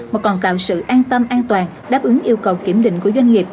mà còn tạo sự an tâm an toàn đáp ứng yêu cầu kiểm định của doanh nghiệp